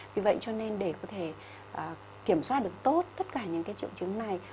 vì vậy cho nên để có thể kiểm soát được tốt tất cả những triệu chứng này